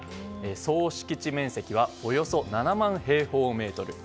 総敷地面積はおよそ７万平方メートル。